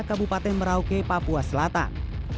kabupaten merauke papua selatan